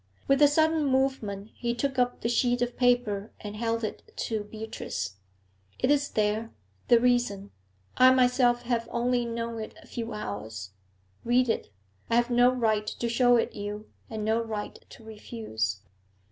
With a sudden movement, he took up the sheet of paper and held it to Beatrice. 'It is there the reason. I myself have only known it a few hours. Read that. I have no right to show it you and no right to refuse.'